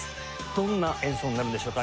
どんな演奏になるんでしょうか？